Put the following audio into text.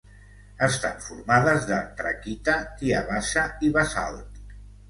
Estan formades de traquita, diabasa i basalt.